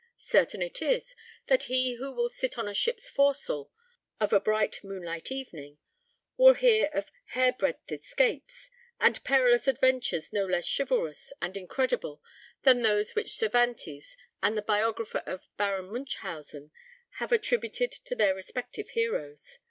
Certain it is, that he who will sit on a ship's forecastle of a bright moonlight evening, will hear of "hair breadth escapes," and perilous adventures no less chivalrous and incredible than those which Cervantes and the biographer of Baron Munchausen have attributed to their respective heroes.